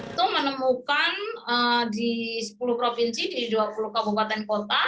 itu menemukan di sepuluh provinsi di dua puluh kabupaten kota